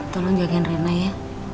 tolong jagain rena ya